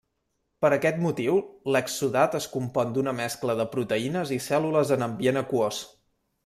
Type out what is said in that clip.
Per aquest motiu, l'exsudat es compon d'una mescla de proteïnes i cèl·lules en ambient aquós.